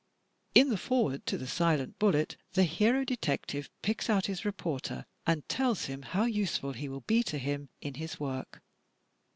In the foreword to "The Silent Bullet" the hero detective picks out his reporter and tells him how useful he will be to him in his work.